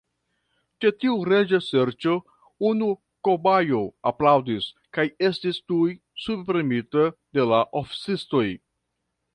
Ĉe tiu reĝa ŝerco, unu kobajo aplaŭdis, kaj estis tuj subpremita de la oficistoj.